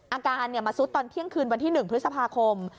อาการมาซุดตอนเที่ยงคืนวันที่๑พฤษภาคม